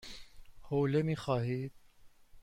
حوله می خواهید؟